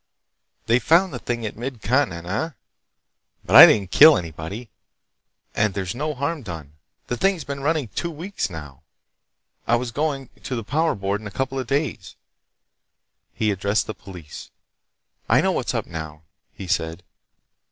"They found the thing at Mid Continent, eh? But I didn't kill anybody. And there's no harm done. The thing's been running two weeks, now. I was going to the Power Board in a couple of days." He addressed the police. "I know what's up, now," he said.